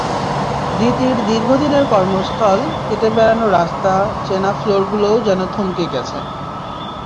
দিতির দীর্ঘদিনের কর্মস্থল, হেঁটে বেড়ানো রাস্তা, চেনা ফ্লোরগুলোও যেন থমকে গেছে।